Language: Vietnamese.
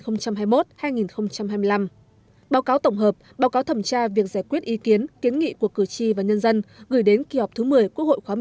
báo cáo tổng hợp báo cáo thẩm tra việc giải quyết ý kiến kiến nghị của cử tri và nhân dân gửi đến kỳ họp thứ một mươi quốc hội khóa một mươi bốn